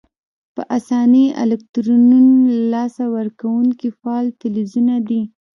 په آساني الکترونونه له لاسه ورکونکي فعال فلزونه دي.